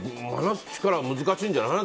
話す力は難しいんじゃない？